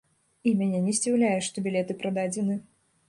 І мяне не здзіўляе, што білеты прададзены.